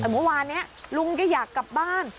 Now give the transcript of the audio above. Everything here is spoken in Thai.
แต่เมื่อวานนี้ลุงก็อยากกลับบ้าน